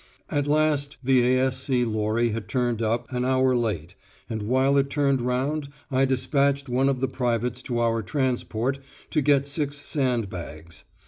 At last the A.S.C. lorry had turned up, an hour late, and while it turned round I despatched one of the privates to our transport to get six sand bags.